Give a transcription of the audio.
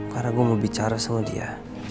karena gua mau bicara sama dia